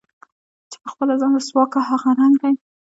چې په خپله ځان رسوا كا هغه رنګ دے